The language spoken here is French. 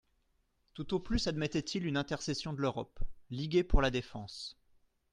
Tout au plus admettait-il une intercession de l'Europe, liguée pour la défense.